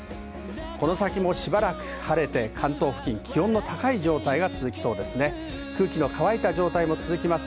この先もしばらく晴れて関東付近、気温が高い状態が続きそうです。